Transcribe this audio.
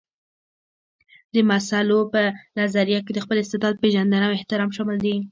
د مسلو په نظريه کې د خپل استعداد پېژندنه او احترام شامل دي.